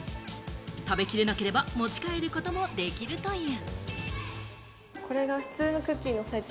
食べきれなければ持ち帰ることもできるという。